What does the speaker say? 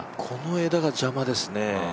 この枝が邪魔ですね。